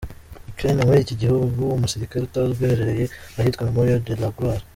Ukraine : Muri iki gihugu, Umusirikare Utazwi aherereye ahitwa Mémorial de la Gloire.